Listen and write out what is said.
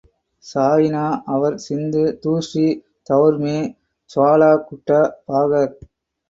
साइना और सिंधू दूसरे दौर में, ज्वाला गुट्टा बाहर